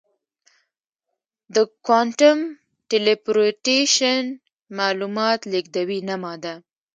د کوانټم ټیلیپورټیشن معلومات لېږدوي نه ماده.